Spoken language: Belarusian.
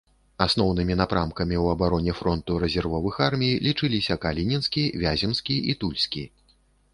Асноўнымі напрамкамі ў абароне фронту рэзервовых армій лічыліся калінінскі, вяземскі і тульскі.